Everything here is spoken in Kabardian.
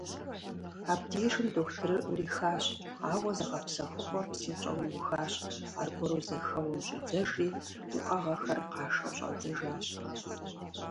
Абдежым дохутырыр Ӏурихащ, ауэ зыгъэпсэхугъуэр псынщӀэу иухащ, аргуэру зэхэуэм щӀидзэжри уӀэгъэхэр къашэу щӀадзэжащ.